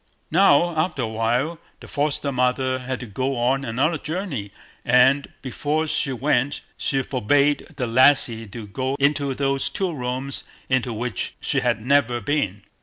Now, after a while, the foster mother had to go on another journey; and, before she went, she forbade the lassie to go into those two rooms into which she had never been.